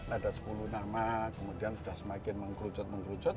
ada sepuluh nama kemudian sudah semakin mengerucut mengerucut